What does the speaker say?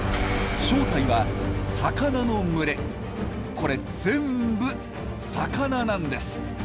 これ全部魚なんです！